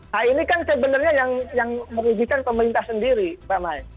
nah ini kan sebenarnya yang merugikan pemerintah sendiri pak mai